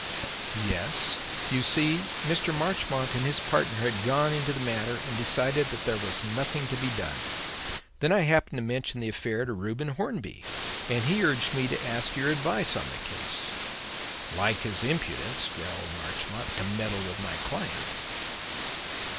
"Yes. You see, Mr. Marchmont and his partner had gone into the matter and decided that there was nothing to be done. Then I happened to mention the affair to Reuben Hornby, and he urged me to ask your advice on the case." "Like his impudence," growled Marchmont, "to meddle with my client."